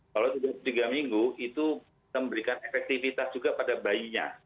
kalau sudah tiga minggu itu memberikan efektivitas juga pada bayinya